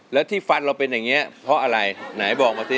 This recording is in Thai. แล้วที่ฟันเราเป็นอย่างนี้เพราะอะไรไหนบอกมาสิ